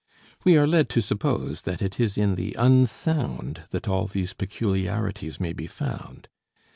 We are led to suppose that it is in the unsound that all these peculiarities may be found.